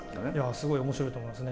すごいおもしろいと思いますね。